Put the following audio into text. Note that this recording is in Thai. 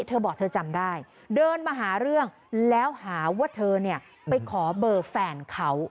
เธอบอกเธอจำได้เดินมาหาเรื่องแล้วหาว่าเธอเนี่ยไปขอเบอร์แฟนเขา